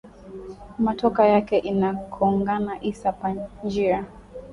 Motoka yake ina kongana isa pa njia